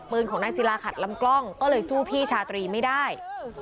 ปืนของนายศิลาขัดลำกล้องก็เลยสู้พี่ชาตรีไม่ได้